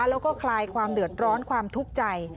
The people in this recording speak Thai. แล้วก็คลายความเดือดร้อนความทุกข์ใจ